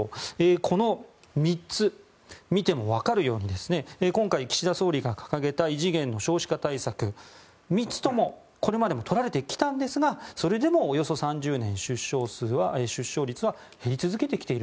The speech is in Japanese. この３つを見ても分かるように今回、岸田総理が掲げた異次元の少子化対策３つともこれまでも取られてきたんですがそれでもおよそ３０年出生率は減り続けてきている。